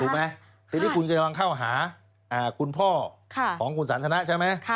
ทีนี้คุณจะกำลังเข้าหาคุณพ่อของคุณสันทนะใช่ไหม